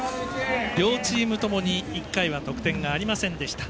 両チームともに１回は得点がありませんでした。